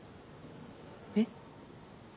えっ？